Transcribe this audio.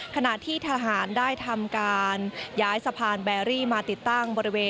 ขณะที่ทหารได้ทำการย้ายสะพานแบรี่มาติดตั้งบริเวณ